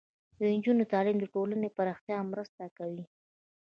د نجونو تعلیم د ټولنې پراختیا مرسته کوي.